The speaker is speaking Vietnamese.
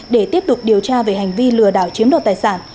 để tiếp tục điều tra về hành vi lừa đảo chiếm đoạt tài sản